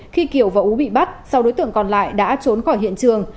khi kiều và ú bị bắt sau đối tượng còn lại đã trốn khỏi hiện trường